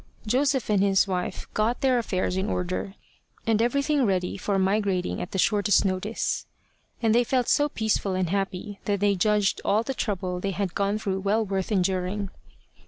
Joseph and his wife got their affairs in order, and everything ready for migrating at the shortest notice; and they felt so peaceful and happy that they judged all the trouble they had gone through well worth enduring.